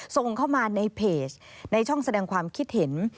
ส่งเข้ามาในเพจในช่องแสดงความคิดเห็น